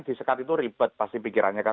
di sekat itu ribet pasti pikirannya kan